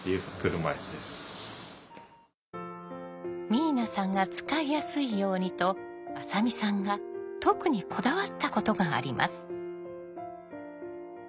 明奈さんが使いやすいようにと浅見さんが特にこだわったことがあります。